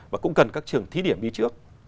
và cũng cần các trường thí điểm đi trước